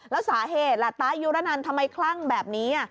แล้วสาเหตุล่ะตายุระนันทำไมคลั่งแบบนี้